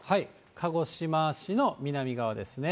鹿児島市の南側ですね。